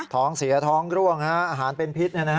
ท้องเสียท้องร่วงอาหารเป็นพิษ